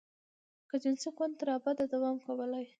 که جنسي خوند تر ابده دوام کولای.